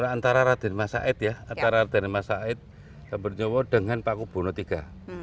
antara raden masaid ya antara raden masaid gambarjowo dengan paku buwono iii